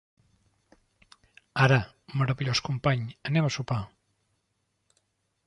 Ara, meravellós company, anem a sopar!